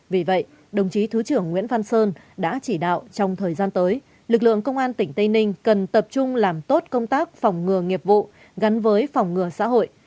vì vậy đồng chí thứ trưởng nguyễn văn sơn đã chỉ đạo trong thời gian tới lực lượng công an tỉnh tây ninh cần tập trung làm tốt công tác phòng ngừa nghiệp vụ gắn với phòng ngừa xã hội